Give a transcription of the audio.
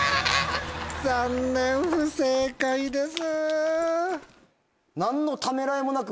残念不正解です。